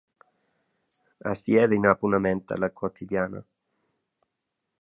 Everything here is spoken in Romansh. Has ti era in abonnament dalla Quotidiana?